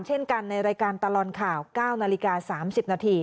เช่นกันในรายการตลอนข่าว๙น๓๐น